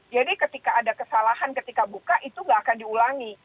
jadi ketika ada kesalahan ketika buka itu nggak akan diulangi